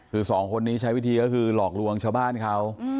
คือสองคนนี้ใช้วิธีก็คือหลอกลวงชาวบ้านเขา